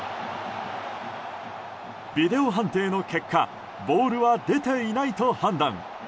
ビデオ判定の結果ボールは出ていないと判断。